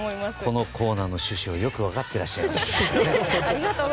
このコーナーの趣旨をよく分かっていらっしゃる。